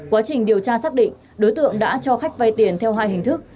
quá trình điều tra xác định đối tượng đã cho khách vay tiền theo hai hình thức